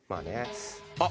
あっ！